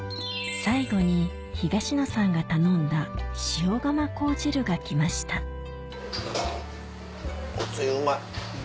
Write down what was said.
最後に東野さんが頼んだ塩釜港汁が来ましたおつゆうまい。